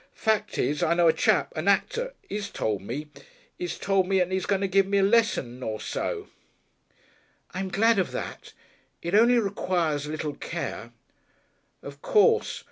Fact is, I know a chap, a Nacter, he's told me. He's told me, and he's going to give me a lesso nor so." "I'm glad of that. It only requires a little care." "Of course.